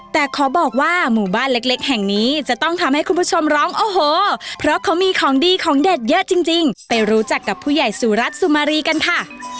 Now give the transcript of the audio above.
แต่ขอบอกว่าหมู่บ้านเล็กแห่งนี้จะต้องทำให้คุณผู้ชมร้องโอ้โหเพราะเขามีของดีของเด็ดเยอะจริงไปรู้จักกับผู้ใหญ่สุรัตน์สุมารีกันค่ะ